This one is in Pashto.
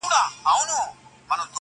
هسي نه چي شوم اثر دي پر ما پرېوزي.!